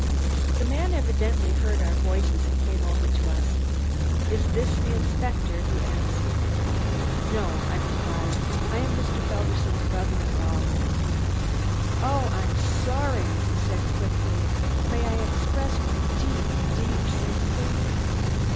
The man evidently heard our voices, and came over to us. "Is this the inspector?" he asked. "No," I replied, "I am Mr. Felderson's brother in law." "Oh, I'm sorry!" he said quickly. "May I express my deep, deep sympathy?"